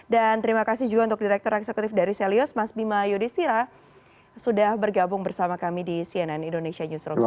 dan terima kasih juga untuk direktur eksekutif dari selyus mas bima yudhistira sudah bergabung bersama kami di cnn indonesia newsroom